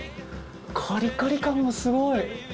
カリカリ感がすごい！